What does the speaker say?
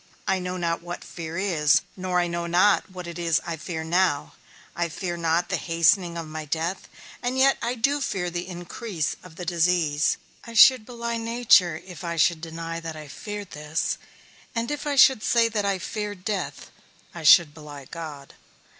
I know not what fear is, nor I know not what it is that I fear now; I fear not the hastening of my death, and yet I do fear the increase of the disease; I should belie nature if I should deny that I feared this; and if I should say that I feared death, I should belie God.